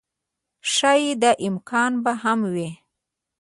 ښايي دا امکان به هم و